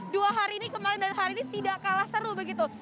dua hari ini kemarin dan hari ini tidak kalah seru begitu